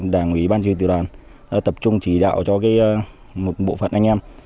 đảng ủy ban chỉ huy tuyệt đoàn tập trung chỉ đạo cho một bộ phận anh em